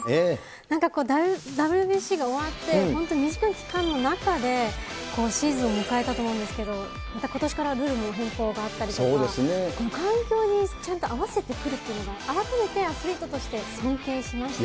なんかこう、ＷＢＣが終わって、本当短い時間の中でシーズン迎えたと思うんですけれども、また、ことしからルールの変更があったりとか、環境にちゃんと合わせてくるっていうのが、改めてアスリートとして尊敬しましたね。